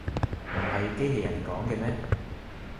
唔係機器人講嘅咩